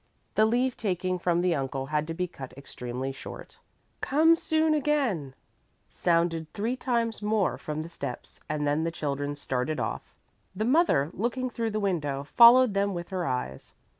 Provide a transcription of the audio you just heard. The leave taking from the uncle had to be cut extremely short. "Come soon again," sounded three times more from the steps, and then the children started off. The mother, looking through the window, followed them with her eyes.